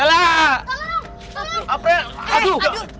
lihat apa itu